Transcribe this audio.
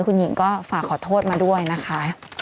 คุณหญิงก็ฝากขอโทษมาด้วยนะคะ